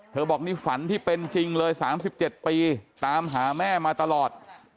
บอกนี่ฝันที่เป็นจริงเลย๓๗ปีตามหาแม่มาตลอด